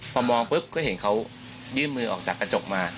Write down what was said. พอมองปุ๊บก็เห็นเขายื่นมือออกจากกระจกมา